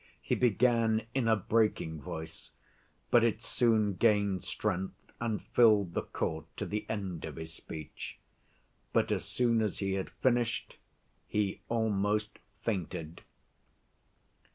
He began in a breaking voice, but it soon gained strength and filled the court to the end of his speech. But as soon as he had finished, he almost fainted.